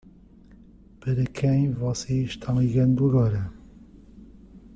Para quem você está ligando agora?